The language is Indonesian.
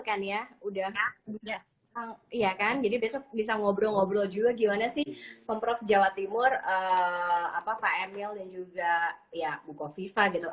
iya kan jadi besok bisa ngobrol ngobrol juga gimana sih pemprov jawa timur pak emil dan juga ya buko viva gitu